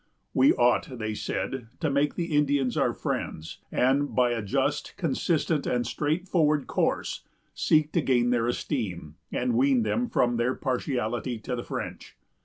We ought, they said, to make the Indians our friends; and, by a just, consistent, and straightforward course, seek to gain their esteem, and wean them from their partiality to the French.